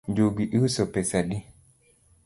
Njugu iuso pesa adi?